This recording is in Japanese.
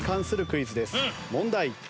問題。